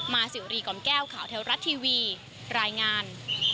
สิวรีกล่อมแก้วข่าวเทวรัฐทีวีรายงาน